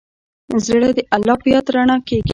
زړه د الله په یاد رڼا کېږي.